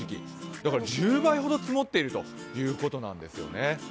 だから１０倍ほど積もってるということなんですね。